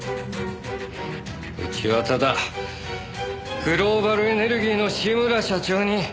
うちはただグローバルエネルギーの志村社長に。